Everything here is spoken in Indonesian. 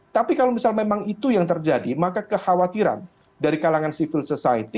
tapi kalau misal memang itu yang terjadi maka kekhawatiran dari kalangan civil society